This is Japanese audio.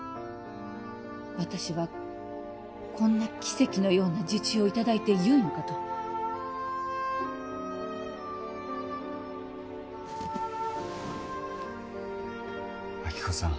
私はこんな奇跡のような受注をいただいてよいのかと亜希子さん